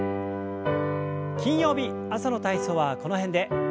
金曜日朝の体操はこの辺で。